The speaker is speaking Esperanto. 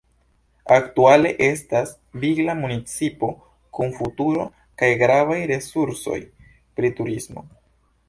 Aktuale estas vigla municipo kun futuro kaj gravaj resursoj pri turismo.